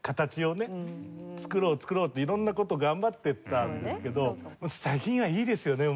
作ろう作ろうって色んな事頑張ってたんですけど最近はいいですよねもう。